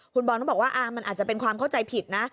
คุณบอลก็บอกว่ามันอาจจะเป็นความเข้าใจผิดนะ